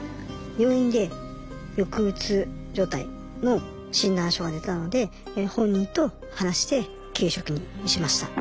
病院で抑うつ状態の診断書が出たので本人と話して休職にしました。